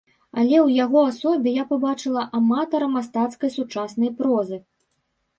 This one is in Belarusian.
Але ў яго асобе я пабачыла аматара мастацкай сучаснай прозы.